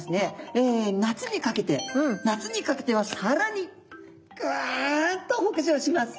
夏にかけて夏にかけてはさらにガっと北上します。